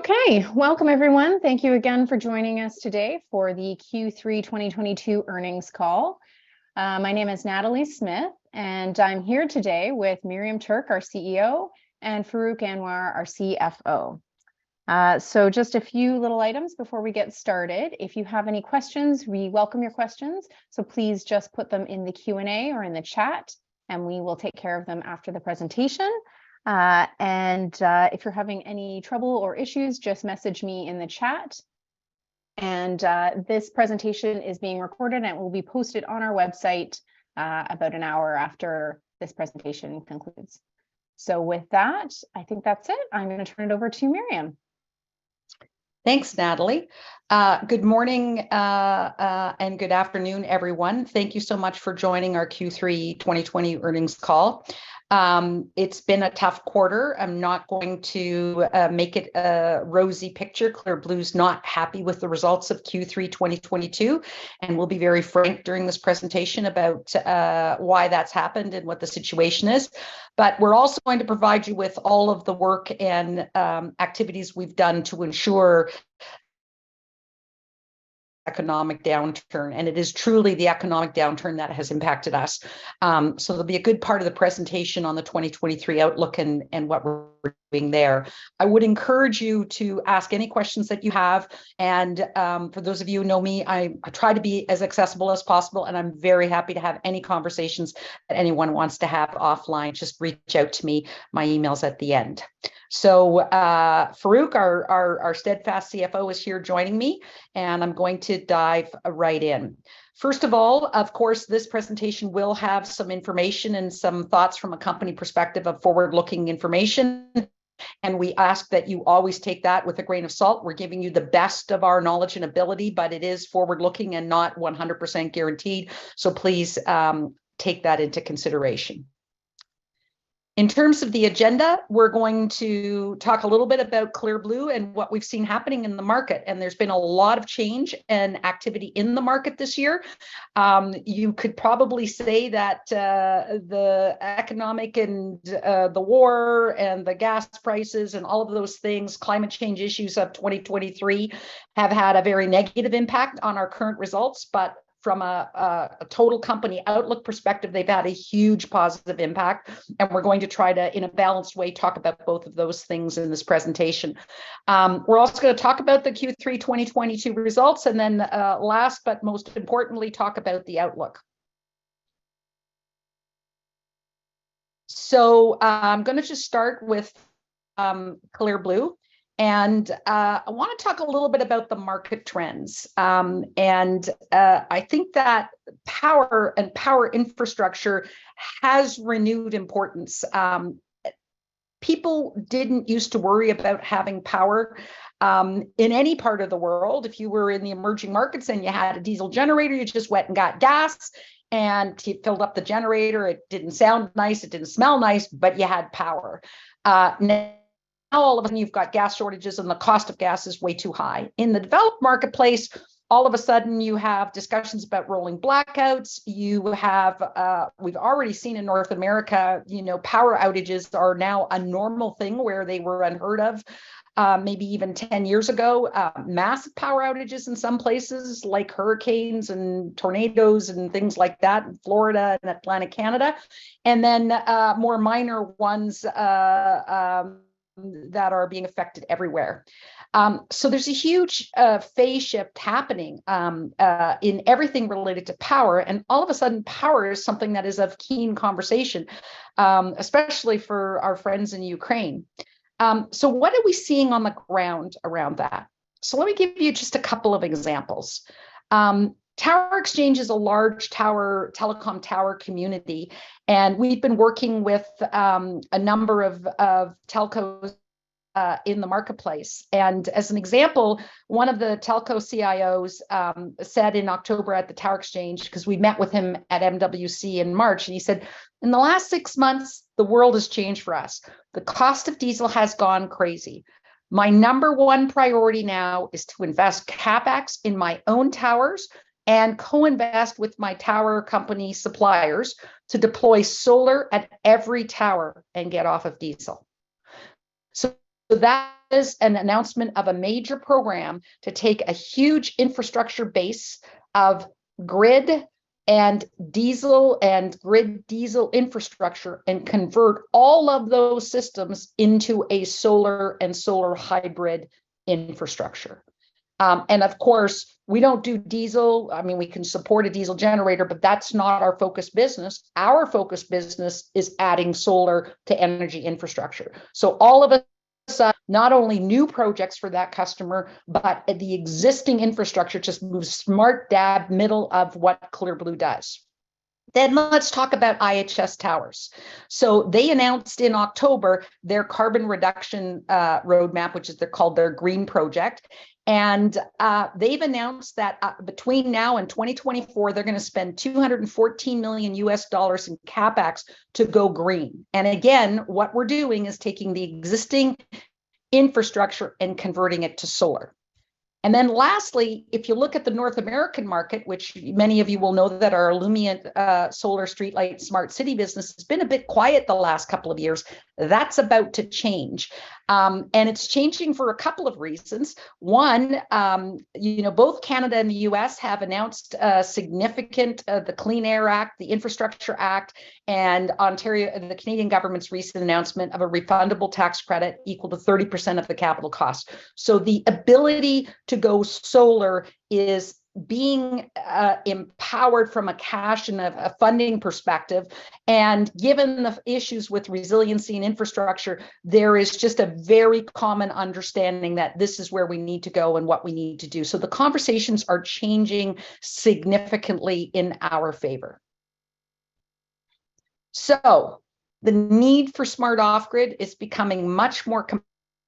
Okay. Welcome, everyone. Thank you again for joining us today for the Q3 2022 earnings call. My name is Natalie Smith, and I'm here today with Miriam Tuerk, our CEO, and Farrukh Anwar, our CFO. Just a few little items before we get started. If you have any questions, we welcome your questions, so please just put them in the Q&A or in the chat, and we will take care of them after the presentation. If you're having any trouble or issues, just message me in the chat. This presentation is being recorded, and it will be posted on our website about an hour after this presentation concludes. With that, I think that's it. I'm gonna turn it over to Miriam. Thanks, Natalie. Good morning and good afternoon, everyone. Thank you so much for joining our Q3 2020 earnings call. It's been a tough quarter. I'm not going to make it a rosy picture. Clear Blue's not happy with the results of Q3 2022, and we'll be very frank during this presentation about why that's happened and what the situation is. We're also going to provide you with all of the work and activities we've done to ensure economic downturn, and it is truly the economic downturn that has impacted us. There'll be a good part of the presentation on the 2023 outlook and what we're doing there. I would encourage you to ask any questions that you have, for those of you who know me, I try to be as accessible as possible, and I'm very happy to have any conversations that anyone wants to have offline. Just reach out to me. My email's at the end. Farrukh, our steadfast CFO is here joining me, I'm going to dive right in. First of all, of course, this presentation will have some information and some thoughts from a company perspective of forward-looking information, we ask that you always take that with a grain of salt. We're giving you the best of our knowledge and ability, it is forward-looking and not 100% guaranteed. Please take that into consideration. In terms of the agenda, we're going to talk a little bit about ClearBlue and what we've seen happening in the market, and there's been a lot of change and activity in the market this year. You could probably say that the economic and the war, and the gas prices, and all of those things, climate change issues of 2023 have had a very negative impact on our current results. From a total company outlook perspective, they've had a huge positive impact, and we're going to try to, in a balanced way, talk about both of those things in this presentation. We're also gonna talk about the Q3 2022 results, and then last but most importantly, talk about the outlook. I'm gonna just start with ClearBlue, and I wanna talk a little bit about the market trends. I think that power and power infrastructure has renewed importance. People didn't used to worry about having power in any part of the world. If you were in the emerging markets and you had a diesel generator, you just went and got gas, and you filled up the generator. It didn't sound nice. It didn't smell nice. You had power. Now all of a sudden you've got gas shortages, and the cost of gas is way too high. In the developed marketplace, all of a sudden you have discussions about rolling blackouts. You have, we've already seen in North America, you know, power outages are now a normal thing where they were unheard of, maybe even 10 years ago. Mass power outages in some places, like hurricanes and tornadoes and things like that in Florida and Atlantic Canada, more minor ones that are being affected everywhere. There's a huge phase shift happening in everything related to power. All of a sudden power is something that is of keen conversation, especially for our friends in Ukraine. What are we seeing on the ground around that? Let me give you just a couple of examples. TowerXchange is a large tower, telecom tower community, we've been working with a number of telcos in the marketplace. As an example, one of the telco CIOs, said in October at the TowerXchange, because we'd met with him at MWC in March, and he said, "In the last six months, the world has changed for us. The cost of diesel has gone crazy. My number one priority now is to invest CapEx in my own towers and co-invest with my tower company suppliers to deploy solar at every tower and get off of diesel." That is an announcement of a major program to take a huge infrastructure base of grid and diesel and grid diesel infrastructure and convert all of those systems into a solar and solar hybrid infrastructure. Of course, we don't do diesel. I mean, we can support a diesel generator, but that's not our focus business. Our focus business is adding solar to energy infrastructure. All of a sudden, not only new projects for that customer, but the existing infrastructure, just move smart dab middle of what Clear Blue does. Let's talk about IHS Towers. They announced in October their carbon reduction roadmap, which is, they called their Green Project. They've announced that between now and 2024, they're gonna spend $214 million in CapEx to go green. Again, what we're doing is taking the existing infrastructure and converting it to solar. Lastly, if you look at the North American market, which many of you will know that our Illumient solar streetlight smart city business has been a bit quiet the last couple of years, that's about to change. It's changing for a couple of reasons. One, you know, both Canada and the U.S. have announced a significant, the Clean Air Act, the Infrastructure Act, and Ontario, and the Canadian government's recent announcement of a refundable tax credit equal to 30% of the capital cost. The ability to go solar is being empowered from a cash and a funding perspective. Given the issues with resiliency and infrastructure, there is just a very common understanding that this is where we need to go and what we need to do. The conversations are changing significantly in our favor. The need for smart off-grid is becoming much more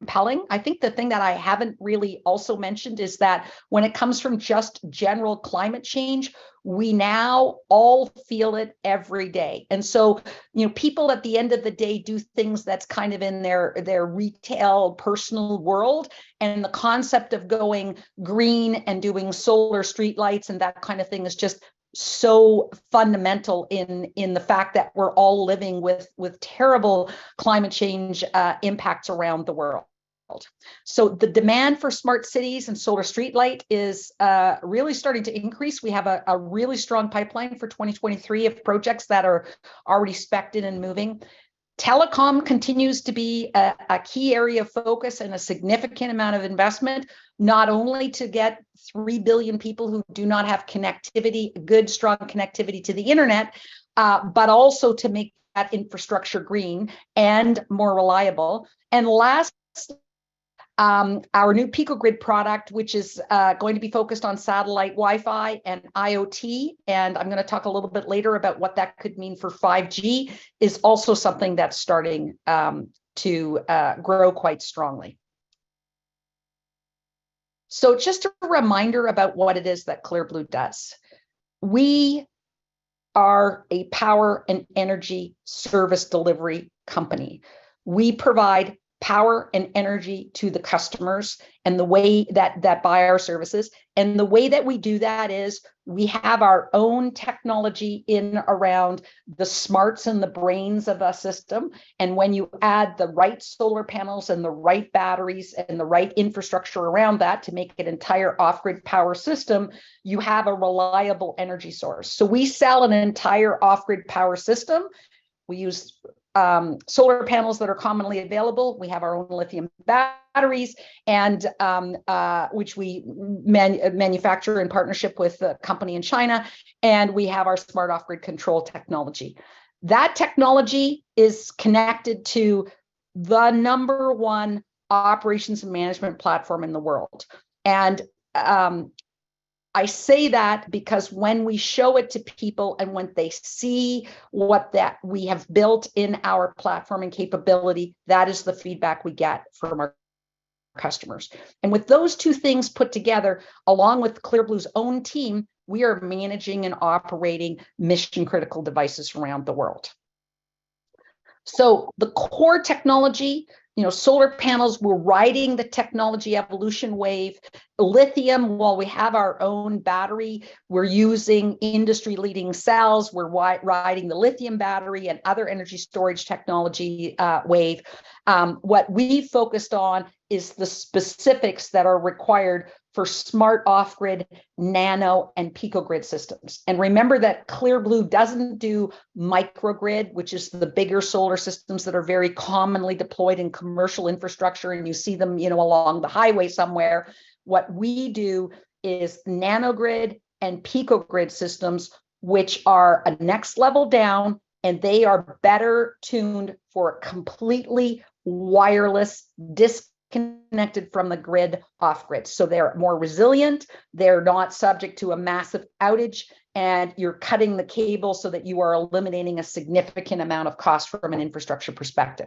compelling. I think the thing that I haven't really also mentioned is that when it comes from just general climate change, we now all feel it every day. You know, people at the end of the day, do things that's kind of in their retail personal world. The concept of going green and doing solar streetlights and that kind of thing is just so fundamental in the fact that we're all living with terrible climate change impacts around the world. The demand for smart cities and solar streetlight is really starting to increase. We have a really strong pipeline for 2023 of projects that are already specced and moving. Telecom continues to be a key area of focus and a significant amount of investment, not only to get 3 billion people who do not have connectivity, good strong connectivity to the internet, but also to make that infrastructure green and more reliable. Last, our new PicoGrid product, which is going to be focused on satellite Wi-Fi and IoT, and I'm gonna talk a little bit later about what that could mean for 5G, is also something that's starting to grow quite strongly. Just a reminder about what it is that ClearBlue does. We are a power and energy service delivery company. We provide power and energy to the customers, and the way that buy our services. The way that we do that is we have our own technology in around the smarts and the brains of a system. When you add the right solar panels and the right batteries and the right infrastructure around that to make an entire off-grid power system, you have a reliable energy source. We sell an entire off-grid power system. We use solar panels that are commonly available. We have our own lithium batteries and which we manufacture in partnership with a company in China, and we have our smart off-grid control technology. That technology is connected to the number one operations management platform in the world. I say that because when we show it to people and when they see what that we have built in our platform and capability, that is the feedback we get from our customers. With those two things put together, along with Clear Blue's own team, we are managing and operating mission-critical devices around the world. The core technology, you know, solar panels, we're riding the technology evolution wave. Lithium, while we have our own battery, we're using industry-leading cells. We're riding the lithium battery and other energy storage technology wave. What we focused on is the specifics that are required for smart off-grid Nano-Grid and Pico-Grid systems. Remember that ClearBlue doesn't do microgrid, which is the bigger solar systems that are very commonly deployed in commercial infrastructure, and you see them, you know, along the highway somewhere. What we do is Nano-Grid and Pico-Grid systems, which are a next level down, and they are better tuned for completely wireless, disconnected from the grid, off-grid. They're more resilient. They're not subject to a massive outage, and you're cutting the cable so that you are eliminating a significant amount of cost from an infrastructure perspective.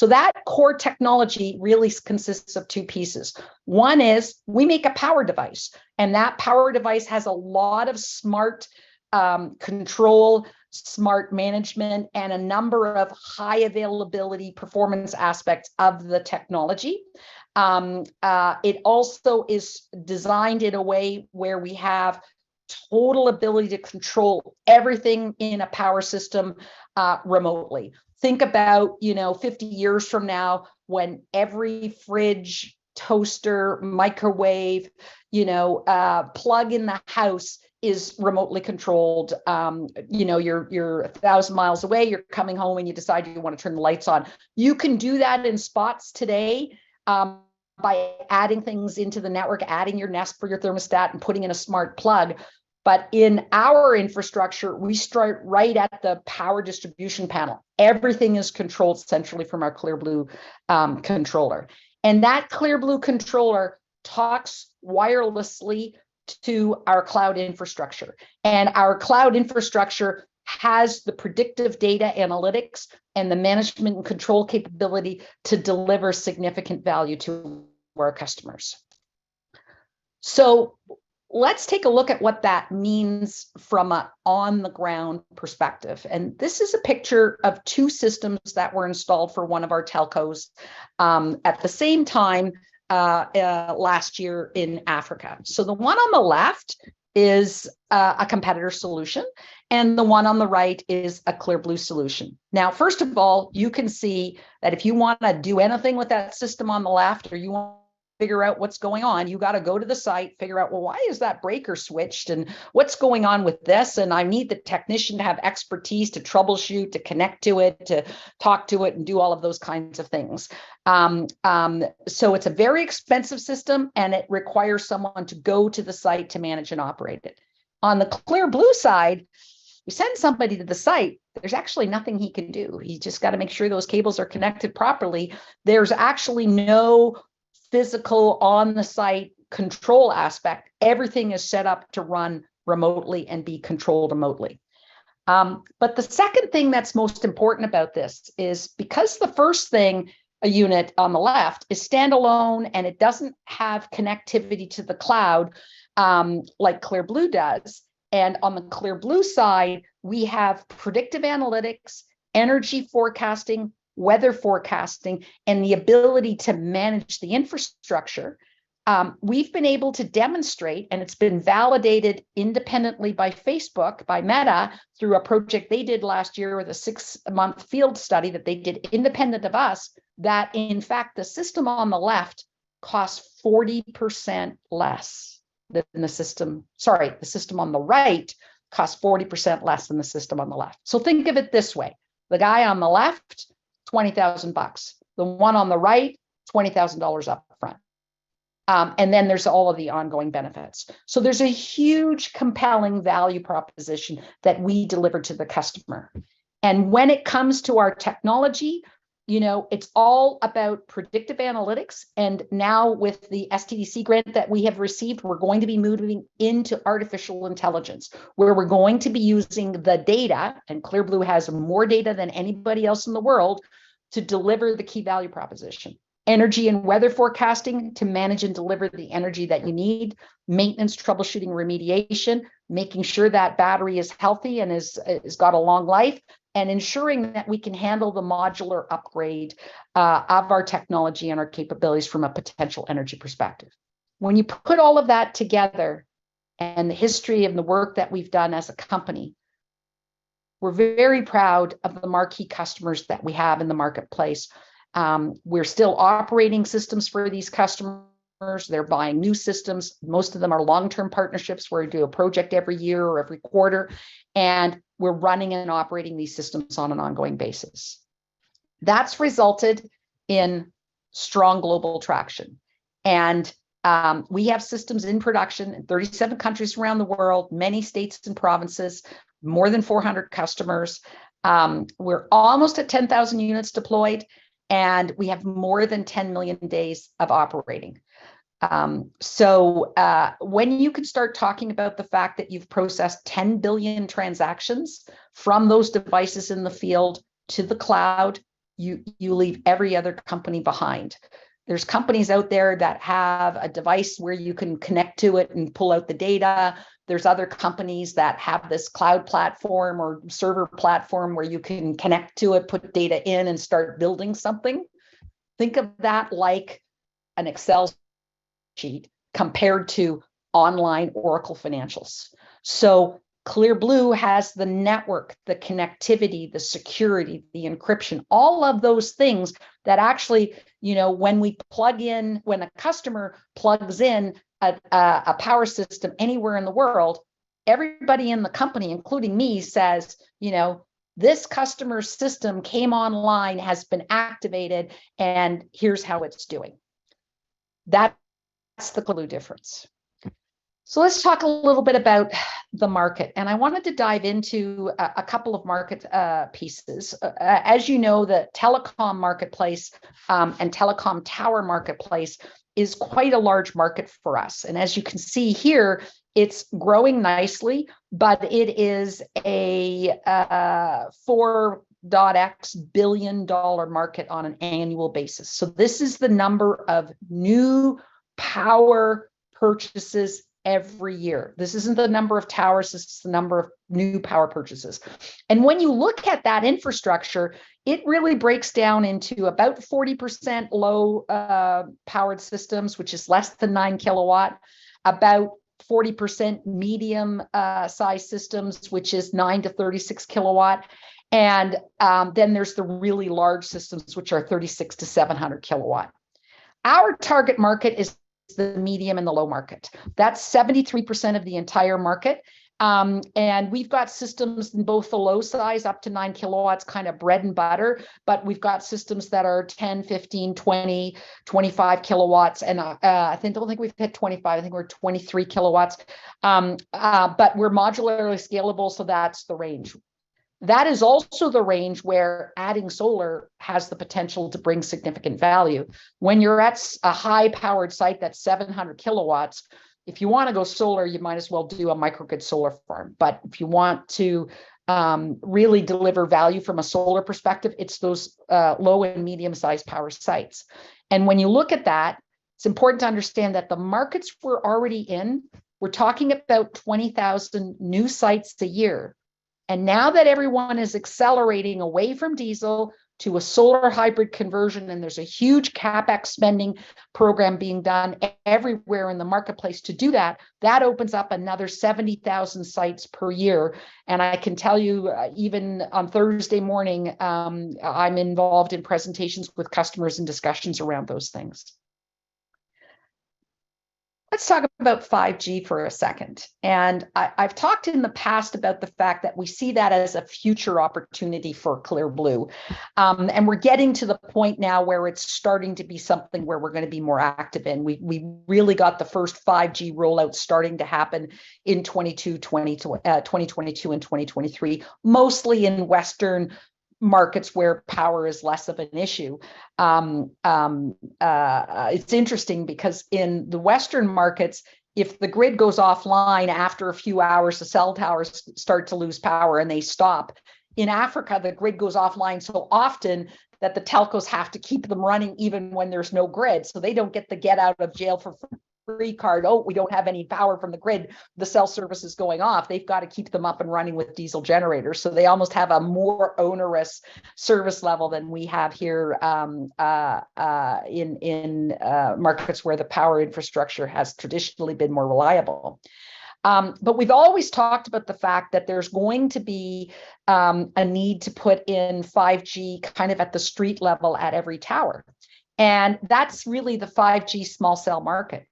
That core technology really consists of two pieces. One is we make a power device, and that power device has a lot of smart control, smart management, and a number of high availability performance aspects of the technology. It also is designed in a way where we have total ability to control everything in a power system remotely. Think about, you know, 50 years from now when every fridge, toaster, microwave, you know, plug in the house is remotely controlled. You know, you're 1,000 mi away. You're coming home, and you decide you wanna turn the lights on. You can do that in spots today by adding things into the network, adding your Nest for your thermostat, and putting in a smart plug. In our infrastructure, we start right at the power distribution panel. Everything is controlled centrally from our Clear Blue controller. That Clear Blue controller talks wirelessly to our cloud infrastructure. Our cloud infrastructure has the predictive data analytics and the management and control capability to deliver significant value to our customers. Let's take a look at what that means from a on-the-ground perspective. This is a picture of two systems that were installed for one of our telcos, at the same time last year in Africa. The one on the left is a competitor solution and the one on the right is a Clear Blue solution. Now, first of all, you can see that if you wanna do anything with that system on the left or you wanna figure out what's going on, you gotta go to the site, figure out, "Well, why is that breaker switched, and what's going on with this?" I need the technician to have expertise to troubleshoot, to connect to it, to talk to it, and do all of those kinds of things. It's a very expensive system and it requires someone to go to the site to manage and operate it. On the Clear Blue side, you send somebody to the site, there's actually nothing he can do. He's just gotta make sure those cables are connected properly. There's actually no physical on-the-site control aspect. Everything is set up to run remotely and be controlled remotely. The second thing that's most important about this is because the first thing, a unit on the left, is standalone and it doesn't have connectivity to the cloud, like Clear Blue does, and on the Clear Blue side, we have predictive analytics, energy forecasting, weather forecasting, and the ability to manage the infrastructure. We've been able to demonstrate, and it's been validated independently by Facebook, by Meta, through a project they did last year with a six-month field study that they did independent of us, that in fact the system on the right costs 40% less than the system on the left. Think of it this way. The guy on the left, 20,000 bucks. The one on the right, 20,000 dollars up front. And then there's all of the ongoing benefits. There's a huge compelling value proposition that we deliver to the customer. When it comes to our technology, you know, it's all about predictive analytics, now with the SDTC grant that we have received, we're going to be moving into artificial intelligence, where we're going to be using the data, Clear Blue has more data than anybody else in the world, to deliver the key value proposition. Energy and weather forecasting to manage and deliver the energy that you need, maintenance, troubleshooting, remediation, making sure that battery is healthy and is, it's got a long life, and ensuring that we can handle the modular upgrade of our technology and our capabilities from a potential energy perspective. When you put all of that together and the history and the work that we've done as a company, we're very proud of the marquee customers that we have in the marketplace. We're still operating systems for these customers. They're buying new systems. Most of them are long-term partnerships where we do a project every year or every quarter, and we're running and operating these systems on an ongoing basis. That's resulted in strong global traction, and, we have systems in production in 37 countries around the world, many states and provinces, more than 400 customers. We're almost at 10,000 units deployed and we have more than 10 million days of operating. When you can start talking about the fact that you've processed 10 billion transactions from those devices in the field to the cloud, you leave every other company behind. There's companies out there that have a device where you can connect to it and pull out the data. There's other companies that have this cloud platform or server platform where you can connect to it, put data in, and start building something. Think of that like an Excel sheet compared to online Oracle financials. Clear Blue has the network, the connectivity, the security, the encryption, all of those things that actually, you know, when we plug in, when a customer plugs in a power system anywhere in the world, everybody in the company, including me, says, "You know, this customer's system came online, has been activated, and here's how it's doing." That's the Clear Blue difference. Let's talk a little bit about the market, and I wanted to dive into a couple of market pieces. As you know, the telecom marketplace, and telecom tower marketplace is quite a large market for us. As you can see here, it's growing nicely, but it is a CAD 4.x billion market on an annual basis. This is the number of new power purchases every year. This isn't the number of towers. This is the number of new power purchases. When you look at that infrastructure, it really breaks down into about 40% low-powered systems, which is less than 9 kW, about 40% medium-size systems, which is 9 kW-36 kW, and then there's the really large systems, which are 36 kW-700 kW. Our target market is the medium and the low market. That's 73% of the entire market, and we've got systems in both the low size, up to nine kilowatts, kind of bread and butter, but we've got systems that are 10, 15, 20, 25 kW, and I think, I don't think we've hit 25. I think we're at 23 kW. We're modularly scalable, so that's the range. That is also the range where adding solar has the potential to bring significant value. When you're at a high-powered site that's 700 kW, if you wanna go solar, you might as well do a microgrid solar farm. If you want to really deliver value from a solar perspective, it's those low and medium-sized power sites. When you look at that, it's important to understand that the markets we're already in, we're talking about 20,000 new sites a year. Now that everyone is accelerating away from diesel to a solar hybrid conversion, and there's a huge CapEx spending program being done everywhere in the marketplace to do that opens up another 70,000 sites per year. I can tell you, even on Thursday morning, I'm involved in presentations with customers and discussions around those things. Let's talk about 5G for a second. I've talked in the past about the fact that we see that as a future opportunity for Clear Blue. We're getting to the point now where it's starting to be something where we're gonna be more active in. We really got the first 5G rollout starting to happen in 2022 and 2023, mostly in Western markets where power is less of an issue. It's interesting because in the Western markets, if the grid goes offline, after a few hours, the cell towers start to lose power, and they stop. In Africa, the grid goes offline so often that the telcos have to keep them running even when there's no grid. They don't get the get out of jail for free card. "Oh, we don't have any power from the grid," the cell service is going off. They've got to keep them up and running with diesel generators. They almost have a more onerous service level than we have here in markets where the power infrastructure has traditionally been more reliable. We've always talked about the fact that there's going to be a need to put in 5G kind of at the street level at every tower, and that's really the 5G small cell market.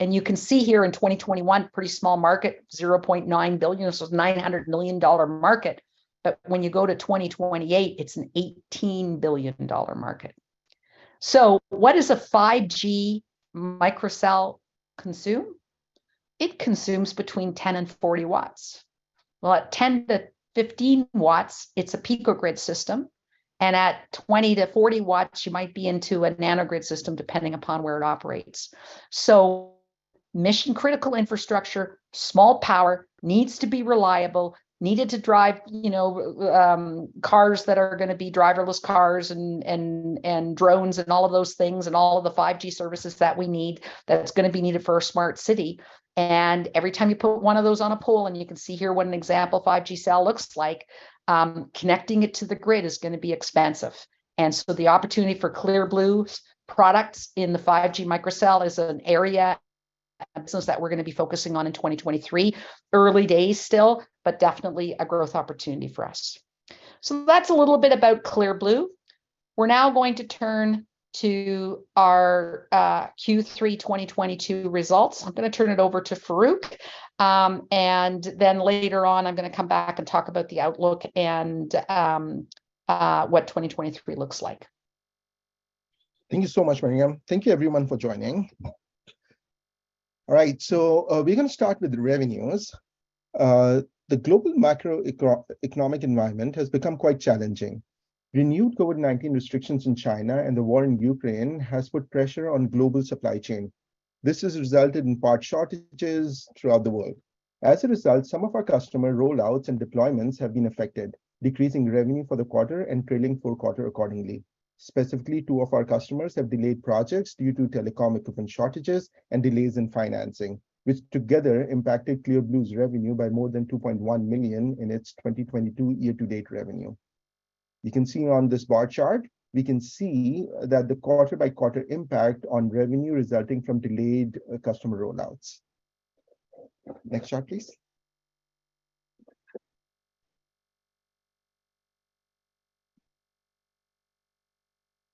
You can see here in 2021, pretty small market, $0.9 billion. This was $900 million dollar market. When you go to 2028, it's an $18 billion market. What does a 5G microcell consume? It consumes between 10 W and 40 W. At 10 W-15 W, it's a Pico-Grid system, and at 20 W-40 W, you might be into a Nano-Grid system, depending upon where it operates. Mission-critical infrastructure, small power, needs to be reliable, needed to drive, you know, cars that are gonna be driverless cars and drones and all of those things and all of the 5G services that we need that's gonna be needed for a smart city. Every time you put one of those on a pole, and you can see here what an example 5G cell looks like, connecting it to the grid is gonna be expensive. The opportunity for Clear Blue's products in the 5G microcell is an area and business that we're gonna be focusing on in 2023. Early days still, definitely a growth opportunity for us. That's a little bit about Clear Blue. We're now going to turn to our Q3 2022 results. I'm gonna turn it over to Farrukh, and then later on, I'm gonna come back and talk about the outlook and what 2023 looks like. Thank you so much, Miriam. Thank you everyone for joining. We're gonna start with revenues. The global macroeconomic environment has become quite challenging. Renewed COVID-19 restrictions in China and the war in Ukraine has put pressure on global supply chain. This has resulted in part shortages throughout the world. As a result, some of our customer rollouts and deployments have been affected, decreasing revenue for the quarter and trailing full quarter accordingly. Specifically, two of our customers have delayed projects due to telecom equipment shortages and delays in financing, which together impacted Clear Blue's revenue by more than 2.1 million in its 2022 year-to-date revenue. You can see on this bar chart, the quarter-by-quarter impact on revenue resulting from delayed customer rollouts. Next chart, please.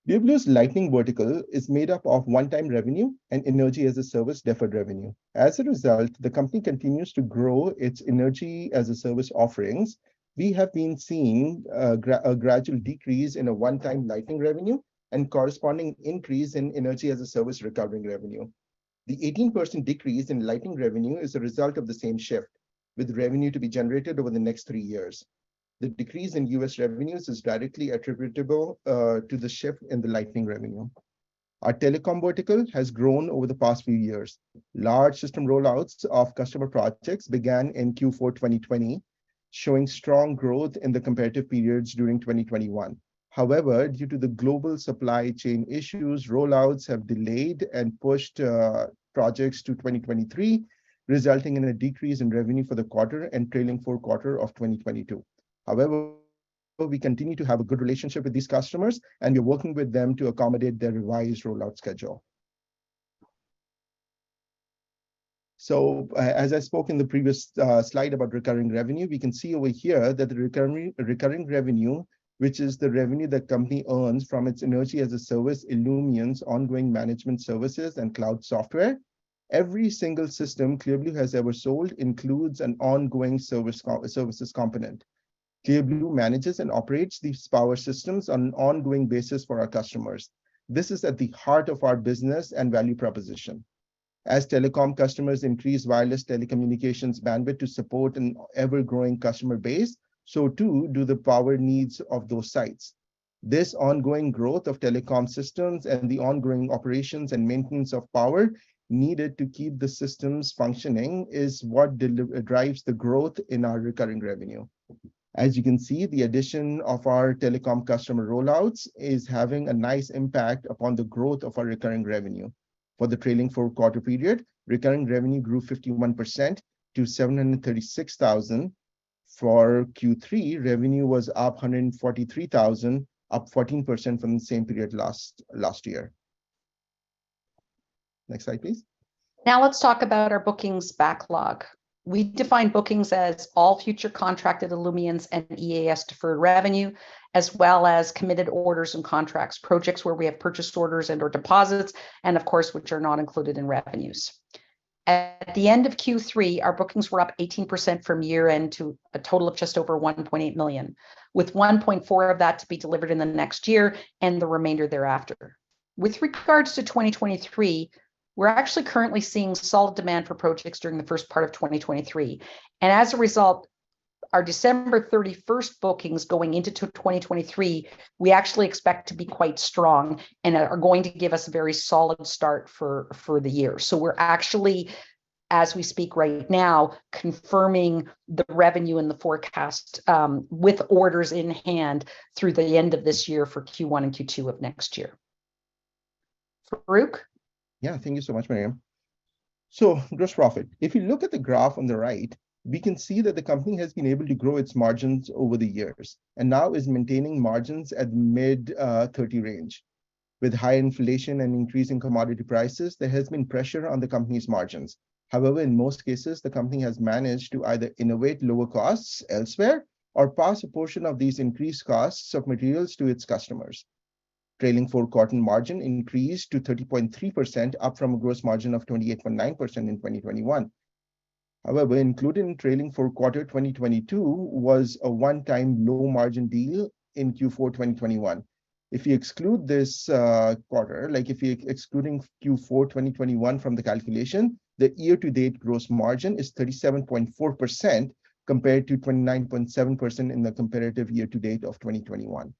Clear Blue's lighting vertical is made up of one-time revenue and Energy-as-a-Service deferred revenue. As a result, the company continues to grow its Energy-as-a-Service offerings. We have been seeing a gradual decrease in a one-time lighting revenue and corresponding increase in Energy-as-a-Service recurring revenue. The 18% decrease in lighting revenue is a result of the same shift, with revenue to be generated over the next three years. The decrease in U.S. revenues is directly attributable to the shift in the lighting revenue. Our telecom vertical has grown over the past few years. Large system rollouts of customer projects began in Q4 2020, showing strong growth in the comparative periods during 2021. However, due to the global supply chain issues, rollouts have delayed and pushed projects to 2023, resulting in a decrease in revenue for the quarter and trailing full quarter of 2022. However, we continue to have a good relationship with these customers, and we're working with them to accommodate their revised rollout schedule. As I spoke in the previous slide about recurring revenue, we can see over here that the recurring revenue, which is the revenue the company earns from its Energy-as-a-Service, Illumient's ongoing management services, and cloud software. Every single system Clear Blue has ever sold includes an ongoing services component. Clear Blue manages and operates these power systems on an ongoing basis for our customers. This is at the heart of our business and value proposition. As telecom customers increase wireless telecommunications bandwidth to support an ever-growing customer base, so too do the power needs of those sites. This ongoing growth of telecom systems and the ongoing operations and maintenance of power needed to keep the systems functioning is what drives the growth in our recurring revenue. As you can see, the addition of our telecom customer rollouts is having a nice impact upon the growth of our recurring revenue. For the trailing four quarter period, recurring revenue grew 51% to 736,000. For Q3, revenue was up 143,000, up 14% from the same period last year. Next slide, please. Now let's talk about our bookings backlog. We define bookings as all future contracted Illumient and EAS deferred revenue, as well as committed orders and contracts, projects where we have purchased orders and/or deposits, and of course, which are not included in revenues. At the end of Q3, our bookings were up 18% from year-end to a total of just over $1.8 million, with $1.4 million of that to be delivered in the next year and the remainder thereafter. With regards to 2023, we're actually currently seeing solid demand for projects during the first part of 2023. As a result, our December 31st bookings going into 2023, we actually expect to be quite strong and are going to give us a very solid start for the year. We're actually, as we speak right now, confirming the revenue and the forecast, with orders in hand through the end of this year for Q1 and Q2 of next year. Farrukh? Yeah. Thank you so much, Miriam. Gross profit. If you look at the graph on the right, we can see that the company has been able to grow its margins over the years, and now is maintaining margins at mid, 30 range. With high inflation and increasing commodity prices, there has been pressure on the company's margins. In most cases, the company has managed to either innovate lower costs elsewhere or pass a portion of these increased costs of materials to its customers. Trailing 4 quarter margin increased to 30.3%, up from a gross margin of 28.9% in 2021. Included in trailing 4 quarter 2022 was a one-time low margin deal in Q4 2021. If you exclude this quarter, like if you're excluding Q4 2021 from the calculation, the year-to-date gross margin is 37.4% compared to 29.7% in the comparative year-to-date of 2021.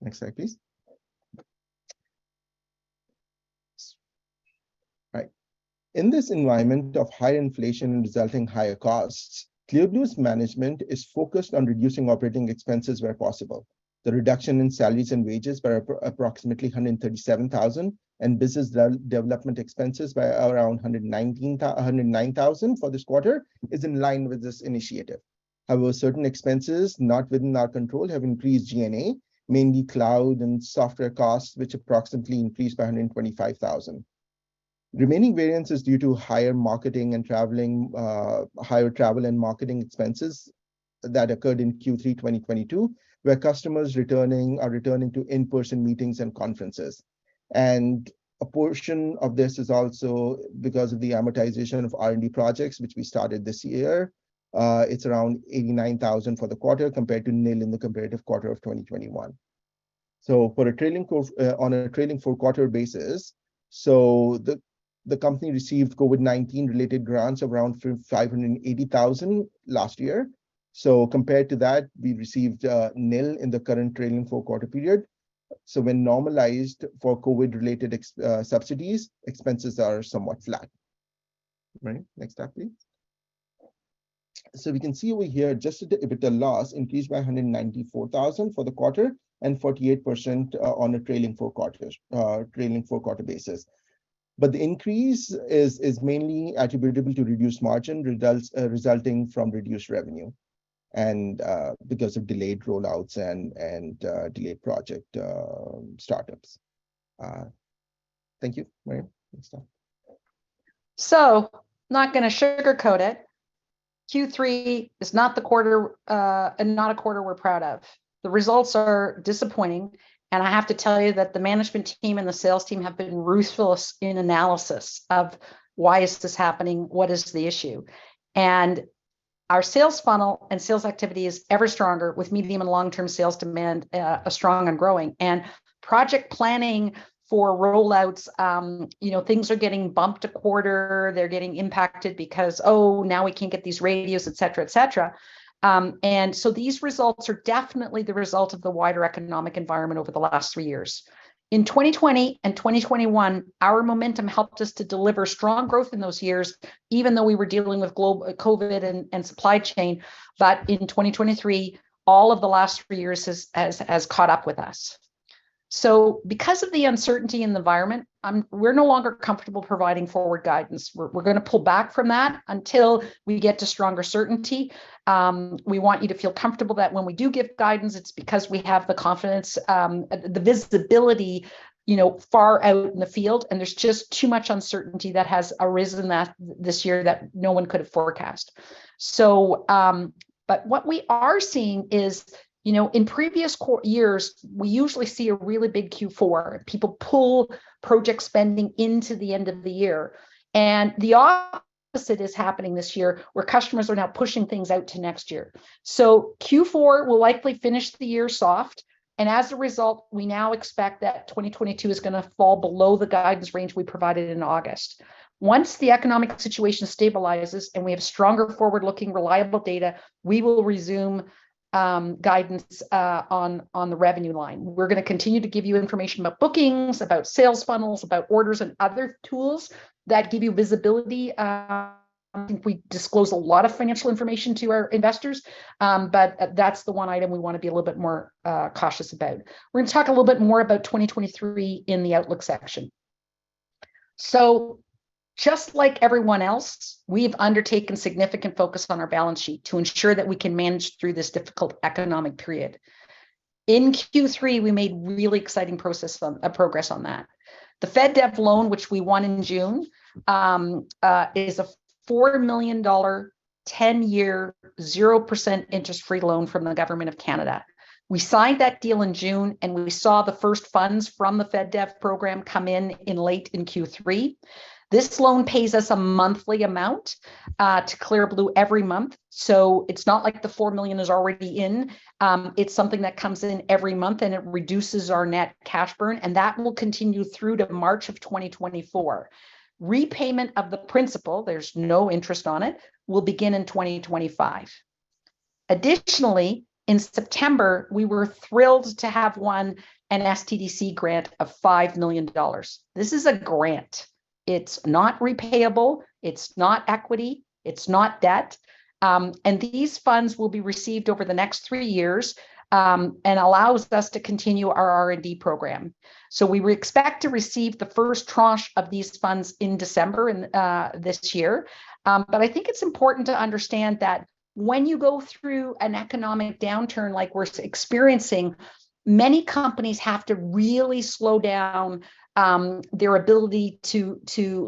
Next slide, please. Right. In this environment of high inflation resulting higher costs, Clear Blue's management is focused on reducing operating expenses where possible. The reduction in salaries and wages by approximately $137,000 and business development expenses by around $109,000 for this quarter is in line with this initiative. Certain expenses not within our control have increased G&A, mainly cloud and software costs, which approximately increased by $125,000. Remaining variance is due to higher travel and marketing expenses that occurred in Q3 2022, where customers are returning to in-person meetings and conferences. A portion of this is also because of the amortization of R&D projects, which we started this year. It's around 89,000 for the quarter compared to nil in the comparative quarter of 2021. On a trailing four quarter basis, the company received COVID-19 related grants around CAD 580,000 last year. Compared to that, we received nil in the current trailing four quarter period. When normalized for COVID-related subsidies, expenses are somewhat flat. Right. Next slide, please. We can see over here, adjusted EBITDA loss increased by CAD 194,000 for the quarter and 48% on a trailing four quarter basis. The increase is mainly attributable to reduced margin results, resulting from reduced revenue and because of delayed rollouts and delayed project startups. Thank you, Miriam. Next slide. Not gonna sugarcoat it. Q3 is not the quarter, not a quarter we're proud of. The results are disappointing. I have to tell you that the management team and the sales team have been ruthless in analysis of why is this happening, what is the issue. Our sales funnel and sales activity is ever stronger with medium and long-term sales demand are strong and growing. Project planning for rollouts, you know, things are getting bumped a quarter, they're getting impacted because, oh, now we can't get these radios, et cetera, et cetera. These results are definitely the result of the wider economic environment over the last three years. In 2020 and 2021, our momentum helped us to deliver strong growth in those years, even though we were dealing with COVID-19 and supply chain. In 2023, all of the last three years has caught up with us. Because of the uncertainty in the environment, we're no longer comfortable providing forward guidance. We're gonna pull back from that until we get to stronger certainty. We want you to feel comfortable that when we do give guidance, it's because we have the confidence, the visibility, you know, far out in the field, and there's just too much uncertainty that has arisen that this year that no one could have forecast. What we are seeing is, you know, in previous years, we usually see a really big Q4. People pull project spending into the end of the year. The opposite is happening this year, where customers are now pushing things out to next year. Q4 will likely finish the year soft, and as a result, we now expect that 2022 is gonna fall below the guidance range we provided in August. Once the economic situation stabilizes and we have stronger forward-looking reliable data, we will resume guidance on the revenue line. We're gonna continue to give you information about bookings, about sales funnels, about orders and other tools that give you visibility. I think we disclose a lot of financial information to our investors, but that's the one item we wanna be a little bit more cautious about. We're gonna talk a little bit more about 2023 in the outlook section. Just like everyone else, we've undertaken significant focus on our balance sheet to ensure that we can manage through this difficult economic period. In Q3, we made really exciting progress on that. The FedDev loan, which we won in June, is a 4 million dollar, 10-year, 0% interest-free loan from the government of Canada. We signed that deal in June. We saw the first funds from the FedDev program come in in late in Q3. This loan pays us a monthly amount to ClearBlue every month, so it's not like the 4 million is already in. It's something that comes in every month, and it reduces our net cash burn, and that will continue through to March of 2024. Repayment of the principal, there's no interest on it, will begin in 2025. Additionally, in September, we were thrilled to have won an SDTC grant of 5 million dollars. This is a grant. It's not repayable. It's not equity. It's not debt. These funds will be received over the next three years and allows us to continue our R&D program. We expect to receive the first tranche of these funds in December this year. I think it's important to understand that when you go through an economic downturn like we're experiencing, many companies have to really slow down their ability to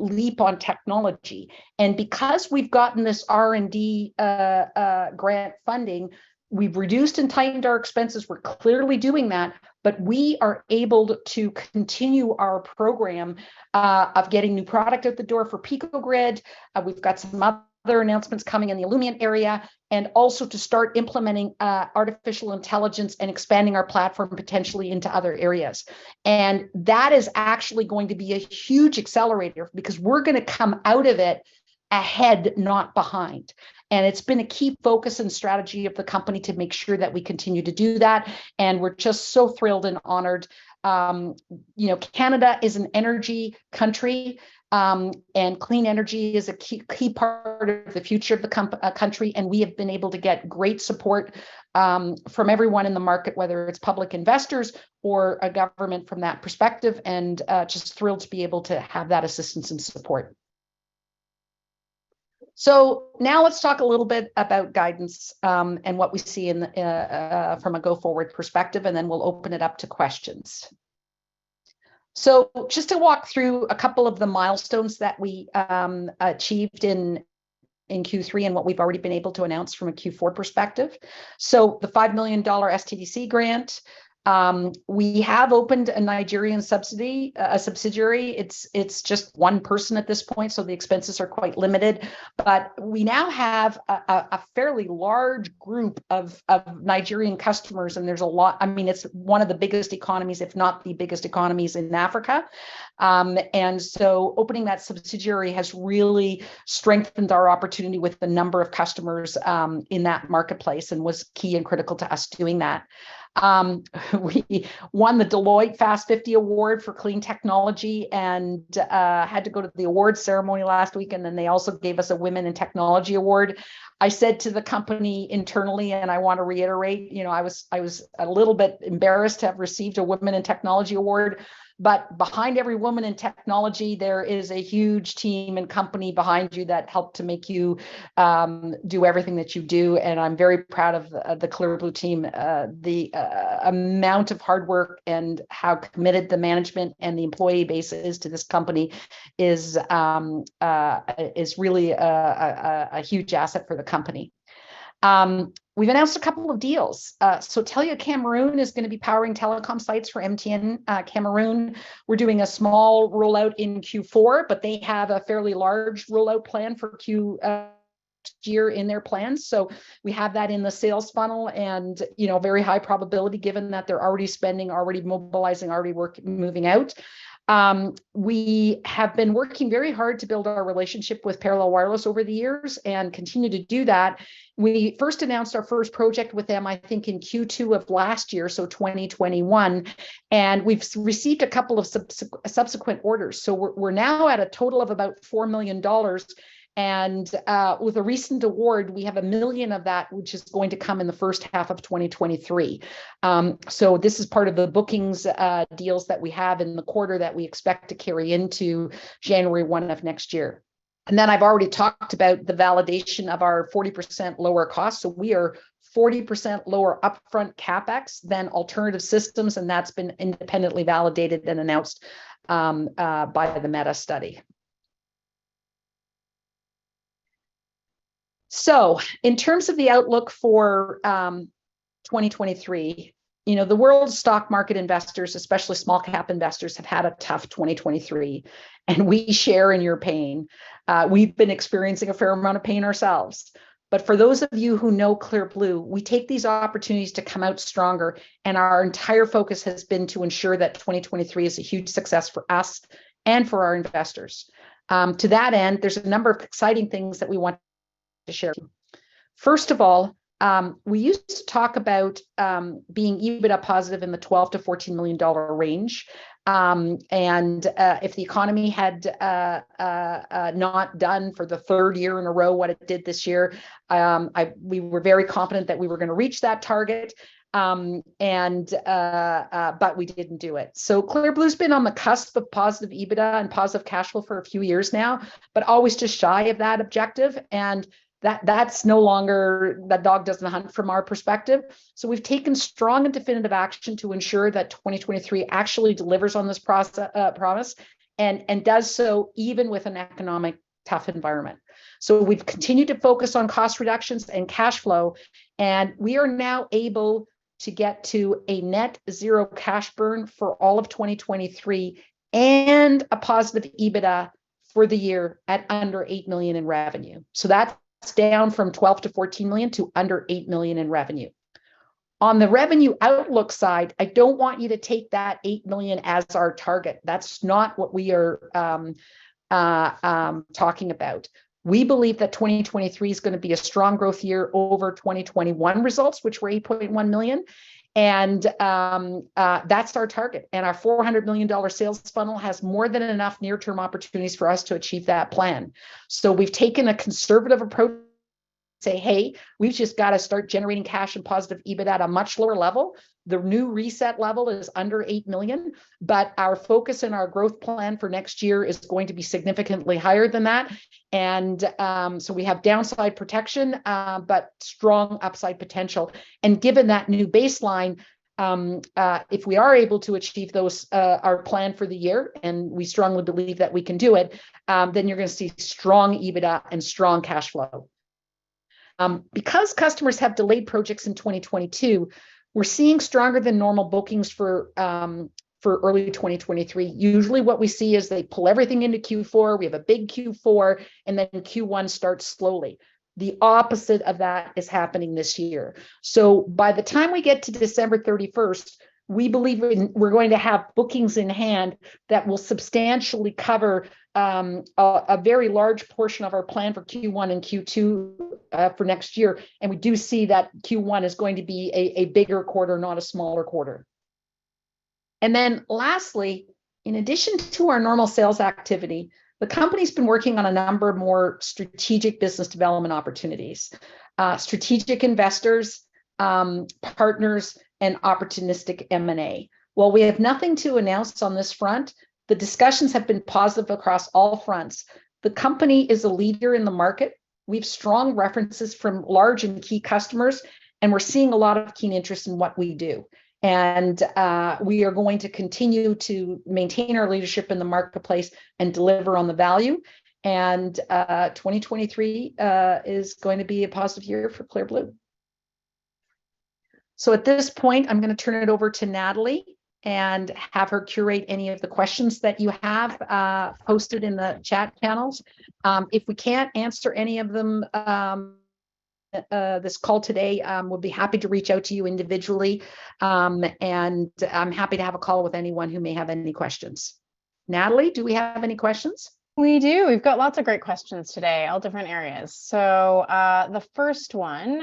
leap on technology. Because we've gotten this R&D grant funding, we've reduced and tightened our expenses, we're clearly doing that, but we are able to continue our program of getting new product out the door for Pico-Grid. We've got some other announcements coming in the Illumient area and also to start implementing artificial intelligence and expanding our platform potentially into other areas. That is actually going to be a huge accelerator because we're gonna come out of it ahead, not behind. It's been a key focus and strategy of the company to make sure that we continue to do that, and we're just so thrilled and honored. You know, Canada is an energy country, and clean energy is a key part of the future of the country, and we have been able to get great support from everyone in the market, whether it's public investors or a government from that perspective and just thrilled to be able to have that assistance and support. Now let's talk a little bit about guidance, and what we see in from a go-forward perspective, and then we'll open it up to questions. Just to walk through a couple of the milestones that we achieved in Q3 and what we've already been able to announce from a Q4 perspective. The 5 million dollar SDTC grant, we have opened a Nigerian subsidiary. It's just one person at this point, so the expenses are quite limited. We now have a fairly large group of Nigerian customers, and there's a lot. I mean, it's one of the biggest economies, if not the biggest economies in Africa. Opening that subsidiary has really strengthened our opportunity with the number of customers in that marketplace and was key and critical to us doing that. We won the Deloitte Technology Fast 50 Award for Clean Technology and had to go to the awards ceremony last week. They also gave us a Women in Technology award. I said to the company internally, I want to reiterate, you know, I was a little bit embarrassed to have received a Women in Technology award. Behind every woman in technology, there is a huge team and company behind you that helped to make you do everything that you do, and I'm very proud of the Clear Blue team. The amount of hard work and how committed the management and the employee base is to this company is really a huge asset for the company. We've announced a couple of deals. Telesis Cameroon is going to be powering telecom sites for MTN Cameroon. We're doing a small rollout in Q4, but they have a fairly large rollout plan for Q next year in their plans. We have that in the sales funnel, and, you know, very high probability given that they're already spending, already mobilizing, already moving out. We have been working very hard to build our relationship with Parallel Wireless over the years and continue to do that. We first announced our first project with them, I think, in Q2 of last year, so 2021, and we've received a couple of subsequent orders. We're now at a total of about 4 million dollars, and with a recent award, we have 1 million of that which is going to come in the first half of 2023. This is part of the bookings deals that we have in the quarter that we expect to carry into January 1 of next year. I've already talked about the validation of our 40% lower cost. We are 40% lower upfront CapEx than alternative systems, and that's been independently validated and announced by the meta study. In terms of the outlook for 2023, you know, the world stock market investors, especially small cap investors, have had a tough 2023, and we share in your pain. We've been experiencing a fair amount of pain ourselves. For those of you who know Clear Blue, we take these opportunities to come out stronger, and our entire focus has been to ensure that 2023 is a huge success for us and for our investors. To that end, there's a number of exciting things that we want to share. First of all, we used to talk about being EBITDA positive in the 12 million-14 million dollar range. If the economy had not done for the third year in a row what it did this year, we were very confident that we were gonna reach that target. We didn't do it. Clear Blue's been on the cusp of positive EBITDA and positive cash flow for a few years now, but always just shy of that objective, and that's no longer. That dog doesn't hunt from our perspective. We've taken strong and definitive action to ensure that 2023 actually delivers on this promise, and does so even with an economic tough environment. We've continued to focus on cost reductions and cashflow, and we are now able to get to a net zero cash burn for all of 2023 and a positive EBITDA for the year at under 8 million in revenue. That's down from 12 million-14 million to under 8 million in revenue. On the revenue outlook side, I don't want you to take that 8 million as our target. That's not what we are talking about. We believe that 2023 is gonna be a strong growth year over 2021 results, which were 8.1 million, and that's our target. Our $400 million sales funnel has more than enough near-term opportunities for us to achieve that plan. We've taken a conservative approach, say, hey, we've just gotta start generating cash and positive EBITDA at a much lower level. The new reset level is under 8 million, but our focus and our growth plan for next year is going to be significantly higher than that. We have downside protection, but strong upside potential. Given that new baseline, if we are able to achieve those, our plan for the year, and we strongly believe that we can do it, then you're gonna see strong EBITDA and strong cash flow. Because customers have delayed projects in 2022, we're seeing stronger than normal bookings for early 2023. Usually what we see is they pull everything into Q4, we have a big Q4, and then Q1 starts slowly. The opposite of that is happening this year. By the time we get to December 31st, we believe we're going to have bookings in hand that will substantially cover a very large portion of our plan for Q1 and Q2 for next year, and we do see that Q1 is going to be a bigger quarter, not a smaller quarter. Lastly, in addition to our normal sales activity, the company's been working on a number of more strategic business development opportunities. Strategic investors, partners, and opportunistic M&A. While we have nothing to announce on this front, the discussions have been positive across all fronts. The company is a leader in the market. We have strong references from large and key customers, and we're seeing a lot of keen interest in what we do. We are going to continue to maintain our leadership in the marketplace and deliver on the value, and 2023 is going to be a positive year for Clear Blue. At this point, I'm gonna turn it over to Natalie and have her curate any of the questions that you have posted in the chat panels. If we can't answer any of them this call today, we'll be happy to reach out to you individually, and I'm happy to have a call with anyone who may have any questions. Natalie, do we have any questions? We do. We've got lots of great questions today, all different areas. The first one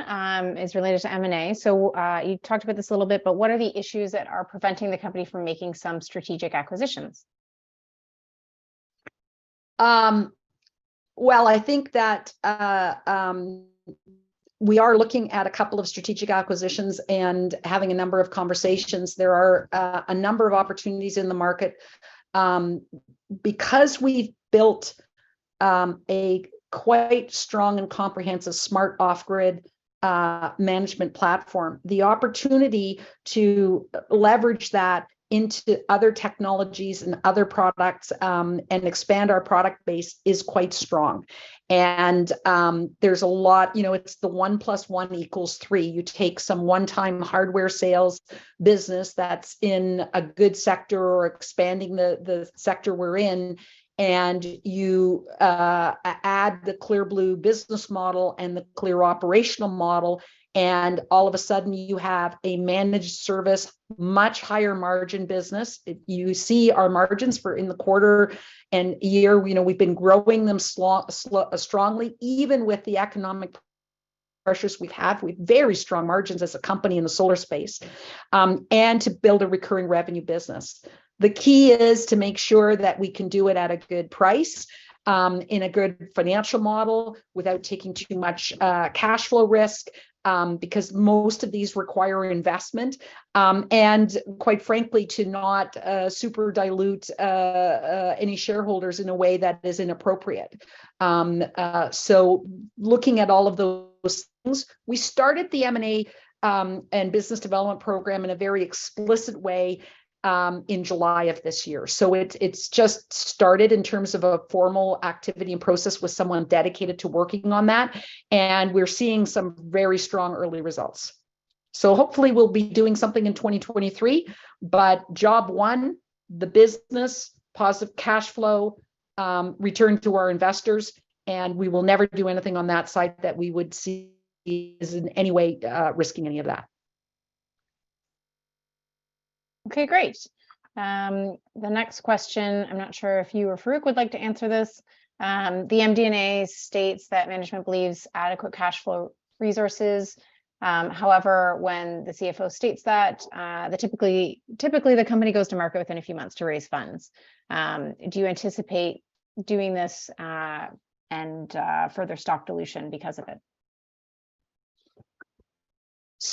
is related to M&A. You talked about this a little bit, but what are the issues that are preventing the company from making some strategic acquisitions? Well, I think that we are looking at a couple of strategic acquisitions and having a number of conversations. There are a number of opportunities in the market. Because we've built a quite strong and comprehensive smart off-grid management platform, the opportunity to leverage that into other technologies and other products and expand our product base is quite strong. There's a lot. You know, it's the 1 + 1 = 3. You take some one-time hardware sales business that's in a good sector or expanding the sector we're in, and you add the Clear Blue business model and the clear operational model, and all of a sudden you have a managed service, much higher margin business. If you see our margins for in the quarter and year, you know, we've been growing them strongly, even with the economic pressures we've had, with very strong margins as a company in the solar space, and to build a recurring revenue business. The key is to make sure that we can do it at a good price, in a good financial model without taking too much cashflow risk, because most of these require investment, and quite frankly, to not super dilute any shareholders in a way that is inappropriate. Looking at all of those things, we started the M&A and business development program in a very explicit way, in July of this year. It's just started in terms of a formal activity and process with someone dedicated to working on that, and we're seeing some very strong early results. Hopefully we'll be doing something in 2023, but job one, the business, positive cashflow, return to our investors, and we will never do anything on that site that we would see is in any way risking any of that. Okay, great. The next question, I'm not sure if you or Farrukh would like to answer this. The MD&A states that management believes adequate cashflow resources. However, when the CFO states that, typically the company goes to market within a few months to raise funds. Do you anticipate doing this, and further stock dilution because of it?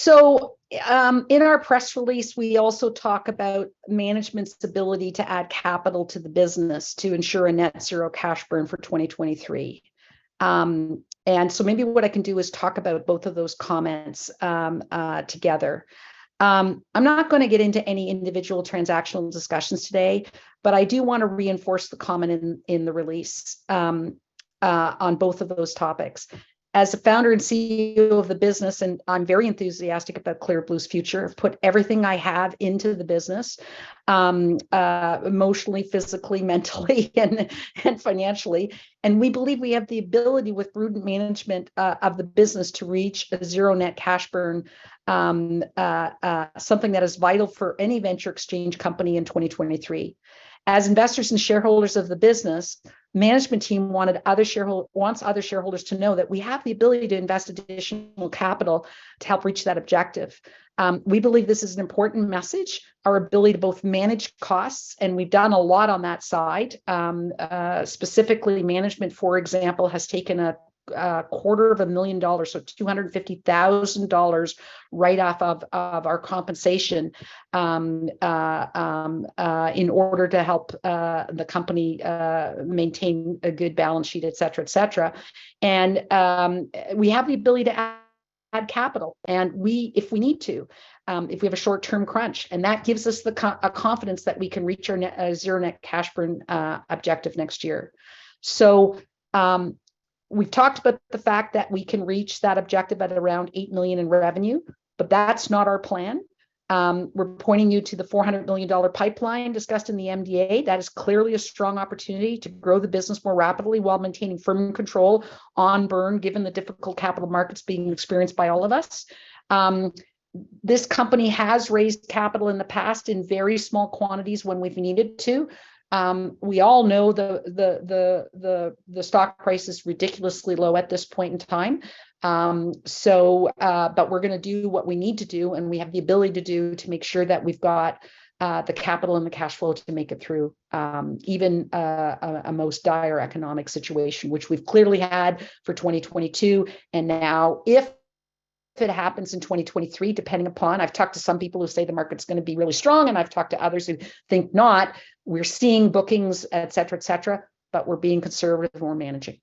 In our press release, we also talk about management's ability to add capital to the business to ensure a net zero cash burn for 2023. Maybe what I can do is talk about both of those comments together. I'm not gonna get into any individual transactional discussions today, but I do wanna reinforce the comment in the release on both of those topics. As the founder and CEO of the business, I'm very enthusiastic about ClearBlue's future. I've put everything I have into the business emotionally, physically, mentally, and financially. We believe we have the ability with prudent management of the business to reach a zero net cash burn, something that is vital for any venture exchange company in 2023. As investors and shareholders of the business, management team wants other shareholders to know that we have the ability to invest additional capital to help reach that objective. We believe this is an important message, our ability to both manage costs, and we've done a lot on that side. Specifically, management, for example, has taken a quarter of a million dollars, so 250,000 dollars right off of our compensation, in order to help the company maintain a good balance sheet, et cetera, et cetera. We have the ability to add capital, and we if we need to, if we have a short-term crunch. That gives us the confidence that we can reach our net, zero net cash burn objective next year. We've talked about the fact that we can reach that objective at around 8 million in revenue, but that's not our plan. We're pointing you to the 400 million dollar pipeline discussed in the MD&A. That is clearly a strong opportunity to grow the business more rapidly while maintaining firm control on burn, given the difficult capital markets being experienced by all of us. This company has raised capital in the past in very small quantities when we've needed to. We all know the stock price is ridiculously low at this point in time. But we're gonna do what we need to do, and we have the ability to do to make sure that we've got the capital and the cash flow to make it through even a most dire economic situation, which we've clearly had for 2022. Now if it happens in 2023, depending upon, I've talked to some people who say the market's gonna be really strong, and I've talked to others who think not. We're seeing bookings, et cetera, et cetera, but we're being conservative and we're managing.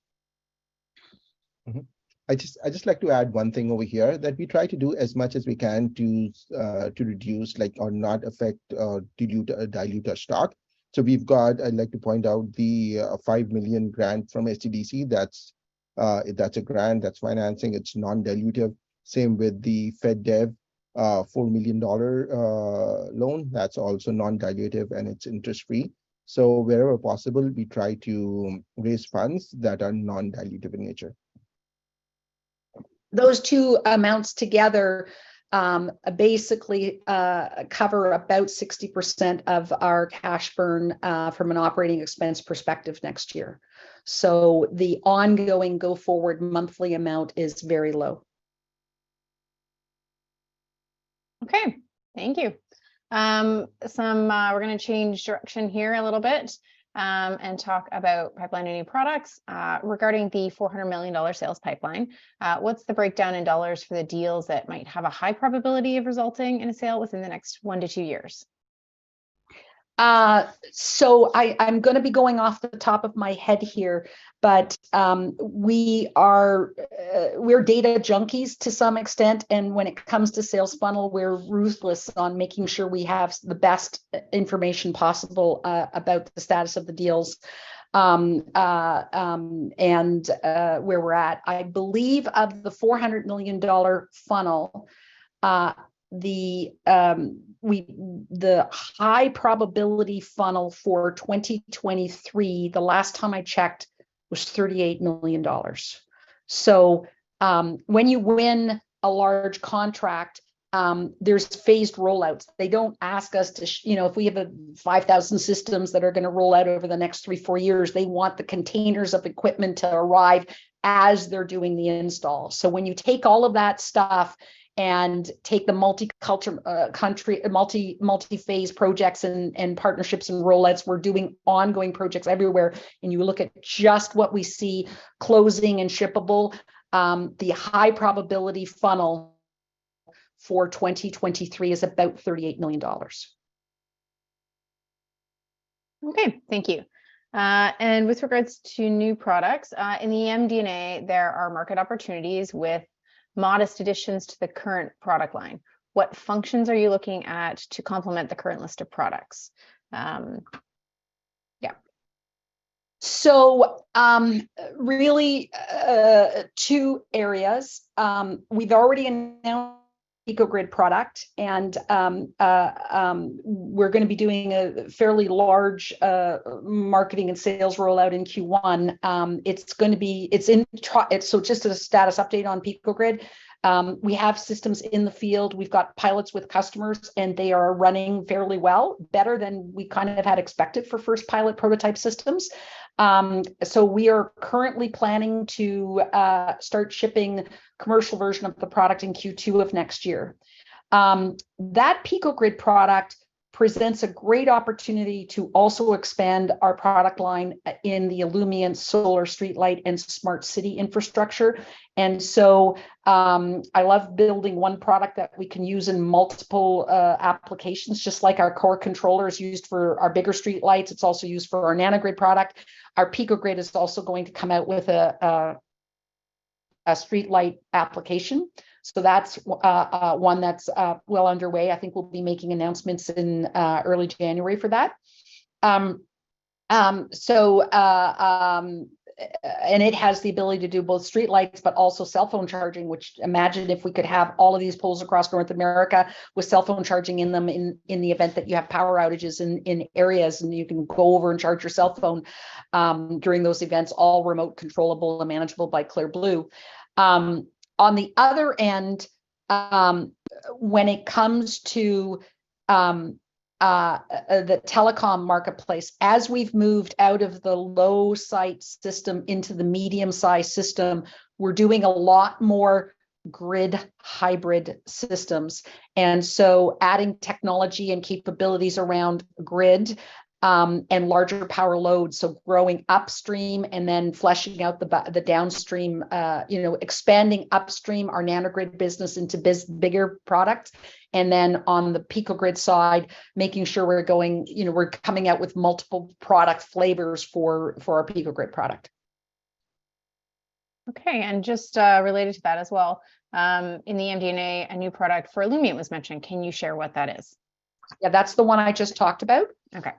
I'd just like to add one thing over here, that we try to do as much as we can to reduce, like or not affect or dilute our stock. We've got, I'd like to point out the 5 million grant from SDTC. That's a grant, that's financing, it's non-dilutive. Same with the FedDev, 4 million dollar loan. That's also non-dilutive, and it's interest-free. Wherever possible, we try to raise funds that are non-dilutive in nature. Those two amounts together, basically, cover about 60% of our cash burn, from an operating expense perspective next year. The ongoing go-forward monthly amount is very low. Okay. Thank you. Some, we're gonna change direction here a little bit, talk about pipeline and new products. Regarding the 400 million dollar sales pipeline, what's the breakdown in dollars for the deals that might have a high probability of resulting in a sale within the next one to two years? I'm gonna be going off the top of my head here, but we're data junkies to some extent, and when it comes to sales funnel, we're ruthless on making sure we have the best information possible about the status of the deals and where we're at. I believe of the 400 million dollar funnel, the high probability funnel for 2023, the last time I checked, was 38 million dollars. When you win a large contract, there's phased rollouts. They don't ask us to you know, if we have 5,000 systems that are gonna roll out over the next three, four years, they want the containers of equipment to arrive as they're doing the install. When you take all of that stuff and take the multi-culture, country, multi-phase projects and partnerships and rollouts, we're doing ongoing projects everywhere, and you look at just what we see closing and shippable, the high probability funnel for 2023 is about $38 million. Okay. Thank you. With regards to new products, in the MD&A, there are market opportunities with modest additions to the current product line. What functions are you looking at to complement the current list of products? Yeah. Really two areas. We've already announced Pico-Grid product, and we're gonna be doing a fairly large marketing and sales rollout in Q1. Just as a status update on Pico-Grid, we have systems in the field, we've got pilots with customers, and they are running fairly well, better than we kind of had expected for first pilot prototype systems. We are currently planning to start shipping commercial version of the product in Q2 of next year. That Pico-Grid product presents a great opportunity to also expand our product line in the Illumient solar streetlight and smart city infrastructure. I love building one product that we can use in multiple applications, just like our core controller is used for our bigger streetlights. It's also used for our Nano-Grid product. Our Pico-Grid is also going to come out with a streetlight application, one that's well underway. I think we'll be making announcements in early January for that. It has the ability to do both streetlights but also cellphone charging, which imagine if we could have all of these poles across North America with cellphone charging in them in the event that you have power outages in areas, and you can go over and charge your cellphone during those events, all remote controllable and manageable by Clear Blue. On the other end, when it comes to the telecom marketplace, as we've moved out of the low site system into the medium-size system, we're doing a lot more grid hybrid systems. Adding technology and capabilities around grid, and larger power loads, so growing upstream and then fleshing out the downstream, you know, expanding upstream our Nano-Grid business into bigger product. On the Pico-Grid side, you know, we're coming out with multiple product flavors for our Pico-Grid product. Just related to that as well, in the MD&A, a new product for Illumient was mentioned. Can you share what that is? Yeah, that's the one I just talked about. Okay.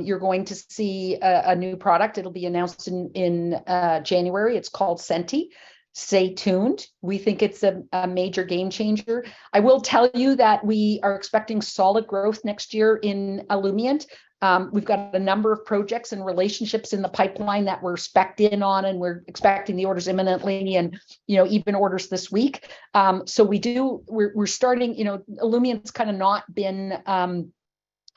You're going to see a new product. It'll be announced in January. It's called Senti. Stay tuned. We think it's a major game changer. I will tell you that we are expecting solid growth next year in Illumient. We've got a number of projects and relationships in the pipeline that we're expecting on, and we're expecting the orders imminently and, you know, even orders this week. We're starting, you know, Illumient's kinda not been a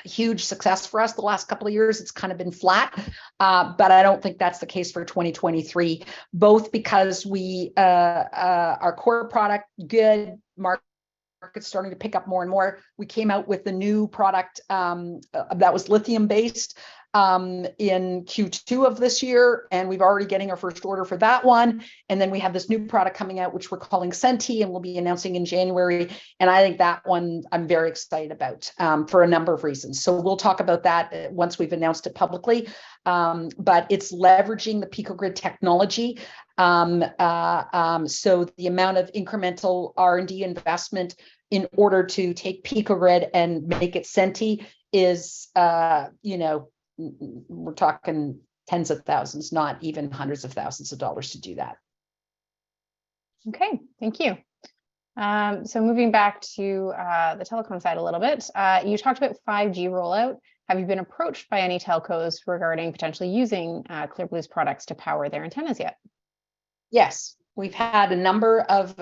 huge success for us the last couple of years. It's kinda been flat. I don't think that's the case for 2023, both because we, our core product, good. Market's starting to pick up more and more. We came out with a new product that was lithium based in Q2 of this year. We've already getting our first order for that one. We have this new product coming out which we're calling Senti. We'll be announcing in January. I think that one I'm very excited about for a number of reasons. We'll talk about that once we've announced it publicly. It's leveraging the Pico-Grid technology. The amount of incremental R&D investment in order to take Pico-Grid and make it Senti is, you know, we're talking tens of thousands, not even hundreds of thousands of dollars to do that. Okay. Thank you. Moving back to the telecom side a little bit, you talked about 5G rollout. Have you been approached by any telcos regarding potentially using ClearBlue's products to power their antennas yet? Yes. We've had a number of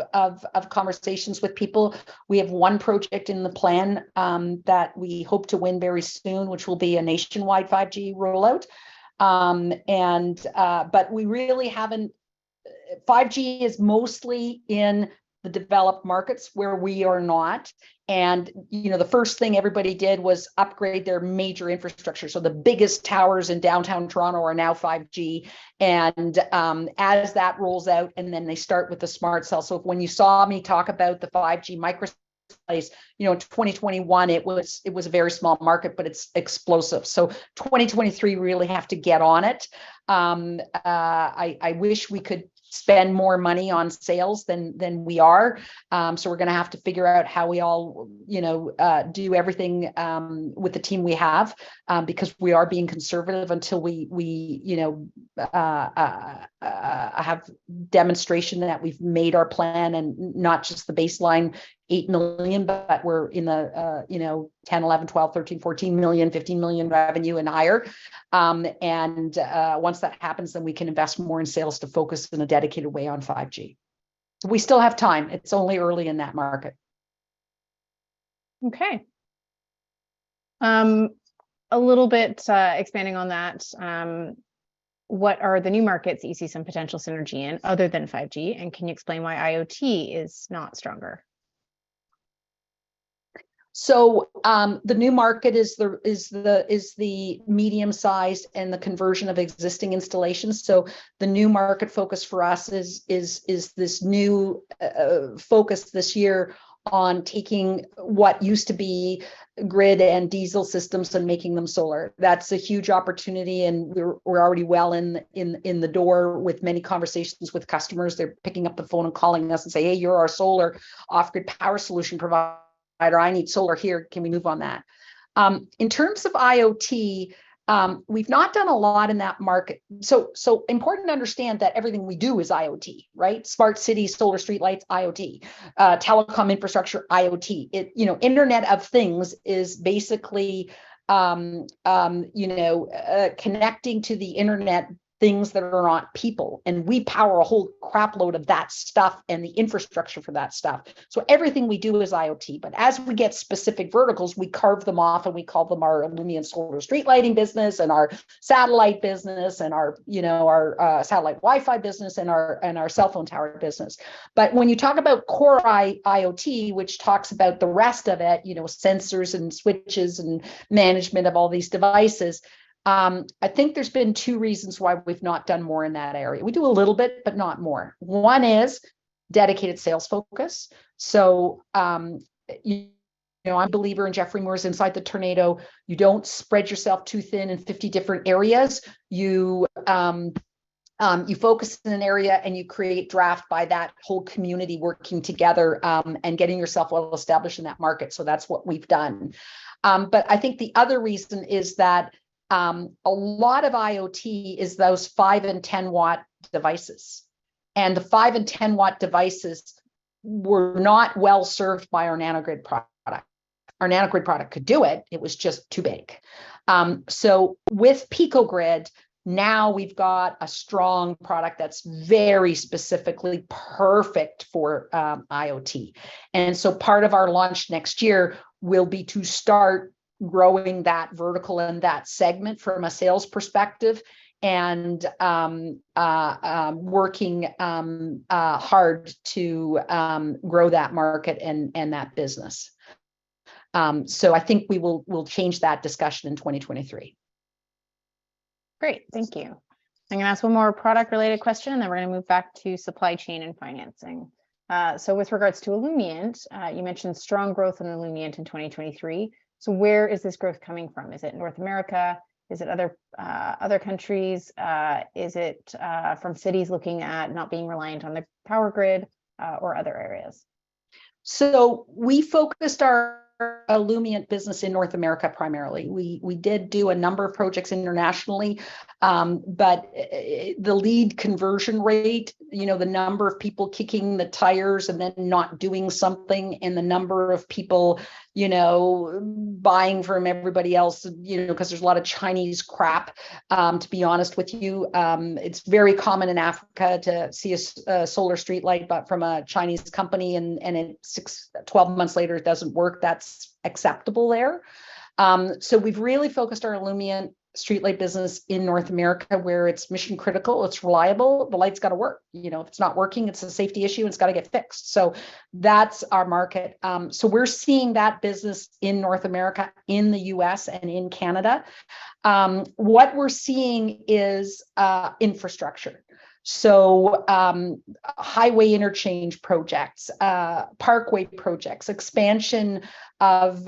conversations with people. We have one project in the plan that we hope to win very soon, which will be a nationwide 5G rollout. But we really haven't. 5G is mostly in the developed markets where we are not, and, you know, the first thing everybody did was upgrade their major infrastructure, so the biggest towers in Downtown Toronto are now 5G. As that rolls out, and then they start with the smart cell. When you saw me talk about the 5G microcell, you know, 2021 it was a very small market, but it's explosive. 2023, really have to get on it. I wish we could spend more money on sales than we are. We're gonna have to figure out how we all, you know, do everything with the team we have because we are being conservative until we, you know, have demonstration that we've made our plan and not just the baseline 8 million, but we're in the, you know, 10 million, 11 million, 12 million, 13 million, 14 million, 15 million revenue and higher. Once that happens, then we can invest more in sales to focus in a dedicated way on 5G. We still have time. It's only early in that market. A little bit, expanding on that, what are the new markets that you see some potential synergy in other than 5G, and can you explain why IoT is not stronger? The new market is the medium size and the conversion of existing installations. The new market focus for us is this new focus this year on taking what used to be grid and diesel systems and making them solar. That's a huge opportunity, and we're already well in the door with many conversations with customers. They're picking up the phone and calling us and say, "Hey, you're our solar off-grid power solution provider. I need solar here. Can we move on that?" In terms of IoT, we've not done a lot in that market. Important to understand that everything we do is IoT, right? Smart cities, solar streetlights, IoT. Telecom infrastructure, IoT. It, you know, Internet of Things is basically, you know, connecting to the internet things that are not people, and we power a whole crap load of that stuff and the infrastructure for that stuff. Everything we do is IoT, but as we get specific verticals, we carve them off and we call them our Illumient solar street lighting business and our satellite business and our, you know, our satellite Wi-Fi business and our, and our cellphone tower business. When you talk about core IoT, which talks about the rest of it, you know, sensors and switches and management of all these devices, I think there's been two reasons why we've not done more in that area. We do a little bit but not more. One is dedicated sales focus. You know, I'm a believer in Geoffrey A. Moore's Inside the Tornado. You don't spread yourself too thin in 50 different areas. You focus in an area and you create draft by that whole community working together and getting yourself well-established in that market. That's what we've done. I think the other reason is that a lot of IoT is those 5 W and 10 W devices, and the 5 W and 10 W devices were not well-served by our Nano-Grid product. Our Nano-Grid product could do it was just too big. With Pico-Grid, now we've got a strong product that's very specifically perfect for IoT. Part of our launch next year will be to start growing that vertical and that segment from a sales perspective and working hard to grow that market and that business. I think we'll change that discussion in 2023. Great. Thank you. I'm gonna ask one more product-related question, then we're gonna move back to supply chain and financing. With regards to Illumient, you mentioned strong growth in Illumient in 2023. Where is this growth coming from? Is it North America? Is it other countries? Is it from cities looking at not being reliant on the power grid, or other areas? We focused our Illumient business in North America primarily. We did do a number of projects internationally, but the lead conversion rate, you know, the number of people kicking the tires and then not doing something, and the number of people, you know, buying from everybody else, you know, 'cause there's a lot of Chinese crap, to be honest with you. It's very common in Africa to see a solar streetlight, but from a Chinese company and in six, 12 months later it doesn't work. That's acceptable there. So we've really focused our Illumient streetlight business in North America where it's mission critical, it's reliable, the light's gotta work. You know, if it's not working, it's a safety issue, and it's gotta get fixed. That's our market. We're seeing that business in North America, in the U.S., and in Canada. What we're seeing is infrastructure. Highway interchange projects, parkway projects, expansion of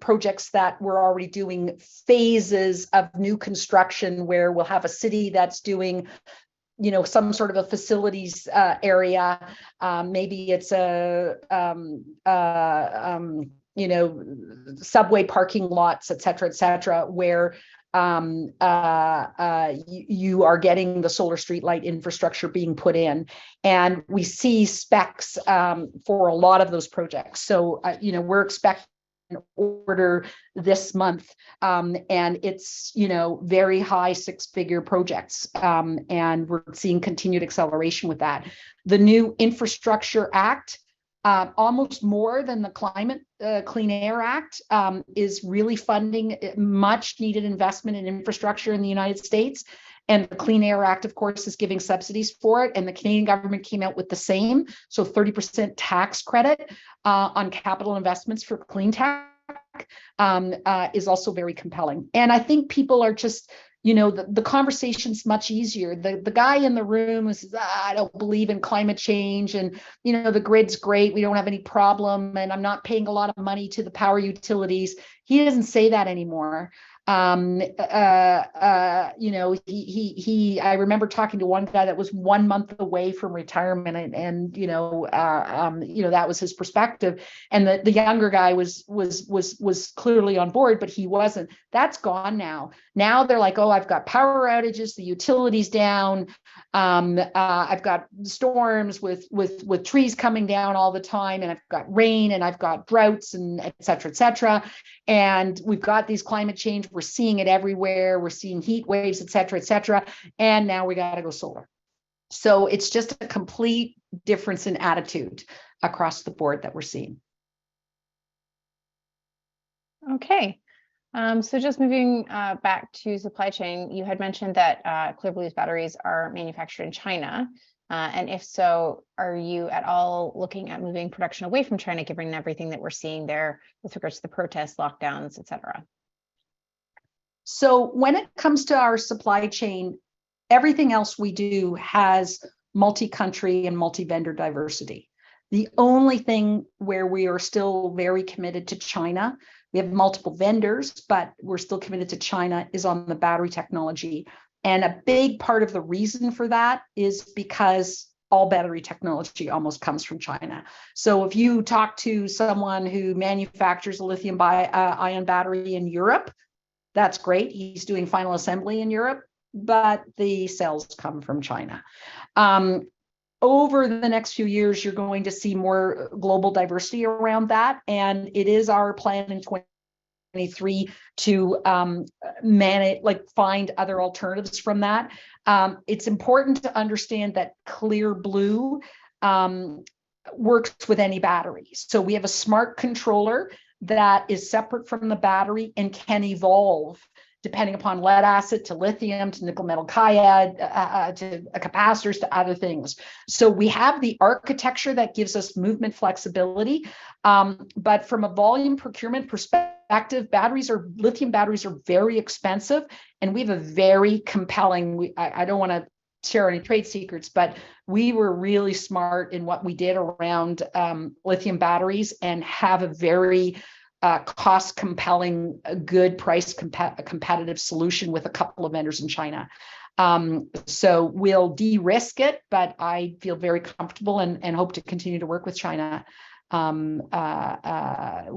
projects that we're already doing phases of new construction where we'll have a city that's doing, you know, some sort of a facilities area. Maybe it's a, you know, subway parking lots, et cetera, et cetera, where you are getting the solar streetlight infrastructure being put in. We see specs for a lot of those projects. You know, we're expecting an order this month, and it's, you know, very high six-figure projects. We're seeing continued acceleration with that. The new Infrastructure Act, almost more than the climate, Clean Air Act, is really funding a much needed investment in infrastructure in the United States, and the Clean Air Act of course is giving subsidies for it. The Canadian government came out with the same, so 30% tax credit on capital investments for clean tech is also very compelling. I think people are just, you know, the conversation's much easier. The, the guy in the room was, "I don't believe in climate change," and, you know, "The grid's great. We don't have any problem, and I'm not paying a lot of money to the power utilities," he doesn't say that anymore. You know, he. I remember talking to one guy that was one month away from retirement and, you know, our, you know, that was his perspective, and the younger guy was clearly on board, but he wasn't. That's gone now. Now they're like, "Oh, I've got power outages, the utility's down. I've got storms with trees coming down all the time, and I've got rain, and I've got droughts," and et cetera, et cetera. "We've got these climate change. We're seeing it everywhere. We're seeing heat waves," et cetera, et cetera, "and now we gotta go solar." It's just a complete difference in attitude across the board that we're seeing. Just moving back to supply chain, you had mentioned that Clear Blue's batteries are manufactured in China. If so, are you at all looking at moving production away from China given everything that we're seeing there with regards to the protests, lockdowns, et cetera? When it comes to our supply chain, everything else we do has multi-country and multi-vendor diversity. The only thing where we are still very committed to China, we have multiple vendors, but we're still committed to China, is on the battery technology, and a big part of the reason for that is because all battery technology almost comes from China. If you talk to someone who manufactures a lithium ion battery in Europe, that's great. He's doing final assembly in Europe, but the cells come from China. Over the next few years you're going to see more global diversity around that, and it is our plan in 2023 to manage, like, find other alternatives from that. It's important to understand that ClearBlue works with any batteries. We have a smart controller that is separate from the battery and can evolve depending upon lead-acid to lithium to nickel-metal hydride to capacitors to other things. We have the architecture that gives us movement flexibility. From a volume procurement perspective, active batteries or lithium batteries are very expensive, and we have a very compelling I don't wanna share any trade secrets, but we were really smart in what we did around lithium batteries and have a very cost compelling, a good price competitive solution with a couple of vendors in China. We'll de-risk it, but I feel very comfortable and hope to continue to work with China. We talk a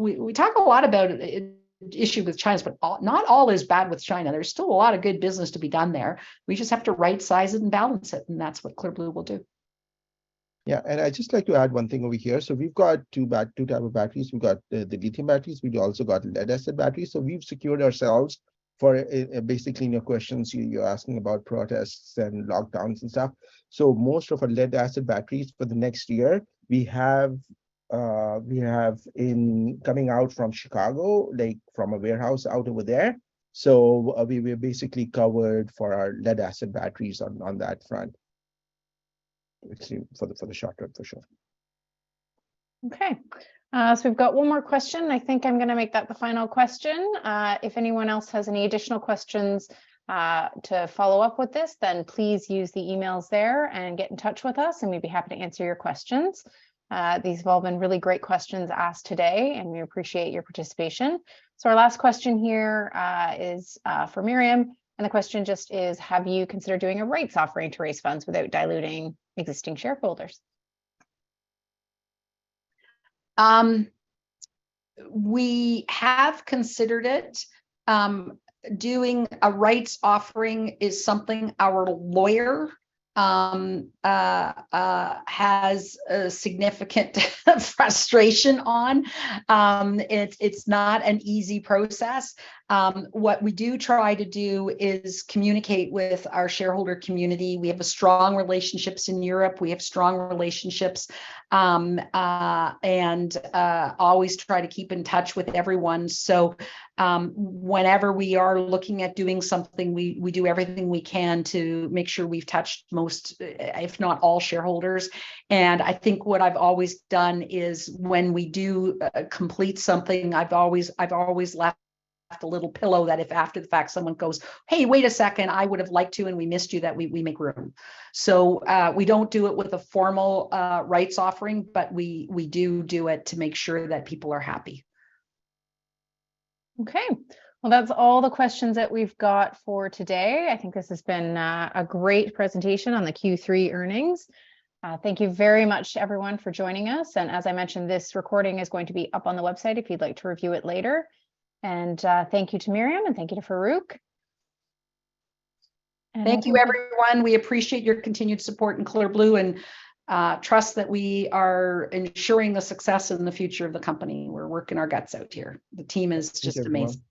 lot about issue with China, not all is bad with China. There's still a lot of good business to be done there. We just have to right size it and balance it. That's what ClearBlue will do. Yeah. I'd just like to add one thing over here. We've got two type of batteries. We've got the lithium batteries. We've also got lead-acid batteries. We've secured ourselves for basically in your questions, you're asking about protests and lockdowns and stuff. Most of our lead-acid batteries for the next year, we have coming out from Chicago, like from a warehouse out over there. We're basically covered for our lead-acid batteries on that front. For the short term, for sure. Okay. We've got one more question. I think I'm gonna make that the final question. If anyone else has any additional questions to follow up with this, please use the emails there and get in touch with us, and we'd be happy to answer your questions. These have all been really great questions asked today, and we appreciate your participation. Our last question here is for Miriam, and the question just is, have you considered doing a rights offering to raise funds without diluting existing shareholders? We have considered it. Doing a rights offering is something our lawyer has a significant frustration on. It's not an easy process. What we do try to do is communicate with our shareholder community. We have a strong relationships in Europe. We have strong relationships and always try to keep in touch with everyone. Whenever we are looking at doing something, we do everything we can to make sure we've touched most, if not all shareholders. And I think what I've always done is when we do complete something, I've always left a little pillow that if after the fact someone goes, "Hey, wait a second, I would have liked to, and we missed you," that we make room. We don't do it with a formal rights offering, but we do do it to make sure that people are happy. Okay. Well, that's all the questions that we've got for today. I think this has been a great presentation on the Q3 earnings. Thank you very much to everyone for joining us. As I mentioned, this recording is going to be up on the website if you'd like to review it later. Thank you to Miriam, and thank you to Farrukh. Thank you everyone. We appreciate your continued support in ClearBlue and trust that we are ensuring the success in the future of the company. We're working our guts out here. The team is just amazing.